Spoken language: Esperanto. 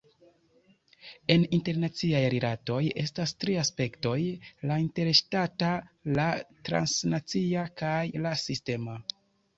En internaciaj rilatoj estas tri aspektoj: la interŝtata, la transnacia kaj la sistema.